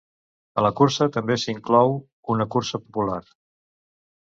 A la cursa també s'inclou una cursa popular.